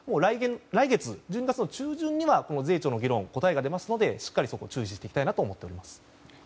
来月、１２月の中旬には税調の議論の答えが出ますのでしっかり注視していきたいなと思っています。